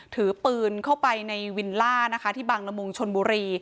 ถือปืนเข้าไปในวิลล่านะคะที่บังละมุงชนบุรี